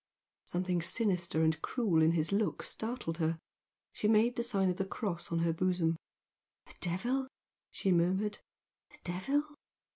Something sinister and cruel in his look startled her, she made the sign of the cross on her bosom. "A devil?" she murmured "a devil